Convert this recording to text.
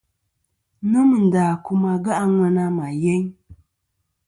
Nomɨ ndà kum age' a ŋwena mà yeyn.